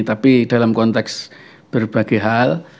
tapi dalam konteks berbagai hal